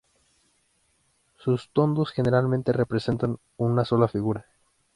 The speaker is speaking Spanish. Sus tondos generalmente representan una sola figura.